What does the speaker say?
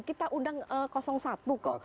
kita undang satu kok